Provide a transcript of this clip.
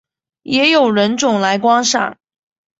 也有人种来观赏。